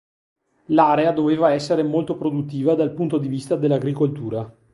L'area doveva essere molto produttiva dal punto di vista dell'agricoltura.